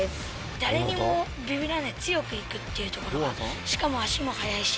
誰にもびびらない、強くいくっていうところが、しかも足も速いし。